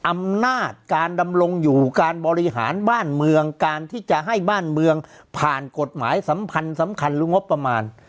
อำนาจการดำรงอยู่การบริหารบ้านเมืองการที่จะให้บ้านเมืองผ่านกฎหมายสัมพันธ์สำคัญหรืองบประมาณ